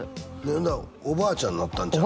ほんならおばあちゃんになったんちゃう？